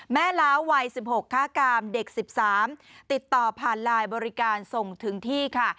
แม่ล้าวัยสิบหกข้ากามเด็กสิบสามติดต่อผ่านไลน์บริการส่งถึงที่ค่ะ